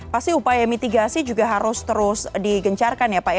pasti upaya mitigasi juga harus terus digencarkan ya pak ya